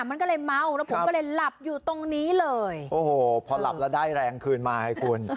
มันก็เลยเมาแล้วผมก็เลยหลับอยู่ตรงนี้เลยโอ้โหพอหลับแล้วได้แรงคืนมาให้คุณ